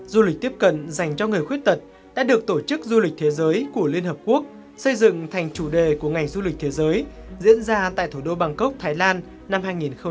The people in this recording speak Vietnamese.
du lịch tiếp cận dành cho người khuyết tật đã được tổ chức du lịch thế giới của liên hợp quốc xây dựng thành chủ đề của ngành du lịch thế giới diễn ra tại thủ đô bangkok thái lan năm hai nghìn một mươi chín